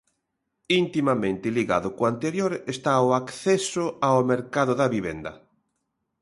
Intimamente ligado co anterior está o acceso ao mercado da vivenda.